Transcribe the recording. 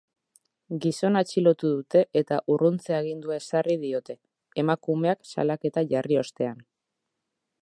Gizona atxilotu dute eta urruntze agindua ezarri diote, emakumeak salaketa jarri ostean.